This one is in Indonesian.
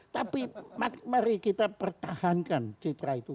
tapi mari kita pertahankan citra itu